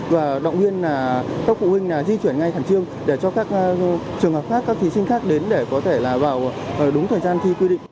và động viên các phụ huynh di chuyển ngay khẩn trương để cho các trường hợp khác các thí sinh khác đến để có thể là vào đúng thời gian thi quy định